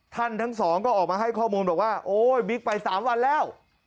ทั้งสองก็ออกมาให้ข้อมูลบอกว่าโอ๊ยบิ๊กไป๓วันแล้ว